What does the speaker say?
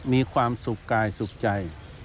มีความสุขกายสุขใจ